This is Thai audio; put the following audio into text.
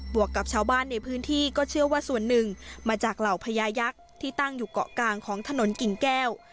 วกกับชาวบ้านในพื้นที่ก็เชื่อว่าส่วนหนึ่งมาจากเหล่าพญายักษ์ที่ตั้งอยู่เกาะกลางของถนนกิ่งแก้ว